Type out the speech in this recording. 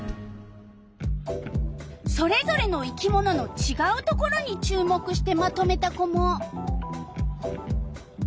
それぞれの生き物のちがうところに注目してまとめた子も。